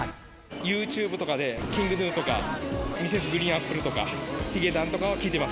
ユーチューブとかで、ＫｉｎｇＧｎｕとか、ミセスグリーンアップルとかヒゲダンとかは聴いてます。